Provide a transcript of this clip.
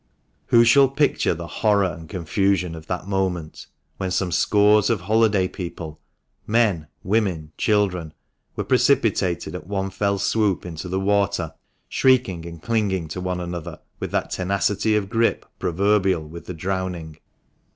Who shall picture the horror and confusion of that moment, when some scores of holiday people — men, women, children — were precipitated at one fell swoop into the water, shrieking and clinging to one another with that tenacity of grip proverbial with the drowning